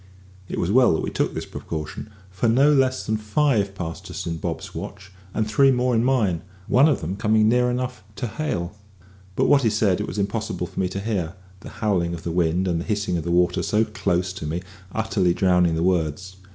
It was well that we took this precaution, for no less than five passed us in Bob's watch, and three more in mine, one of them coming near enough to hail; but what he said it was impossible for me to hear, the howling of the wind and the hissing of the water so close to me utterly drowning the words.